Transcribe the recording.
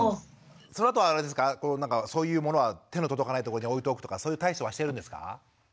そのあとはそういうものは手の届かないとこに置いておくとかそういう対処はしてるんですか？